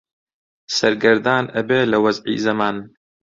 سەرگەردان ئەبێ لە وەزعی زەمان